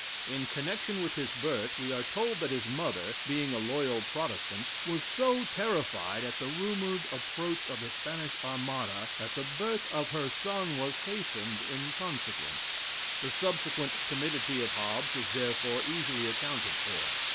In connection with his birth, we are told that his mother, being a loyal Protestant, was so terrified at the rumored approach of the Spanish Armada, that the birth of her son was hastened in consequence. The subsequent timidity of Hobbes is therefore easily accounted for.